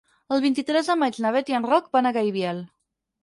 El vint-i-tres de maig na Bet i en Roc van a Gaibiel.